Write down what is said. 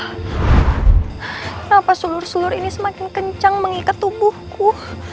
kenapa seluruh seluruh ini semakin kencang mengikat tubuhku